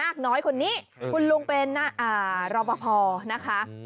มาจากนี้คุณลุงเป็นรอบภนะคะ